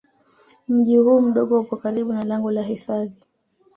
Mji huu mdogo upo karibu na lango la hifadhi